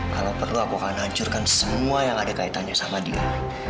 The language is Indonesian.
kalau perlu aku akan hancurkan semua yang ada kaitannya sama dia